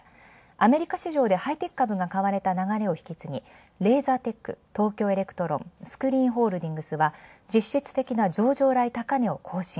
アメリカ市場でハイテク株が売られた流れを引き継ぎ、レーザーテック、東京エレクトロンは実質的な上場来高値を更新。